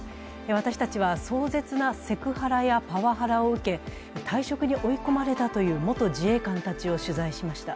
私たちは壮絶なセクハラやパワハラを受け退職に追い込まれたという元自衛官たちを取材しました。